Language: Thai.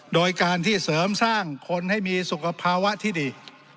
โดยการที่เสริมสร้างคนให้มีสุขภาวะที่ดี